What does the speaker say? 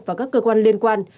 và các cơ quan liên quan